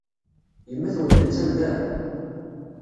Yemma-twent attan da?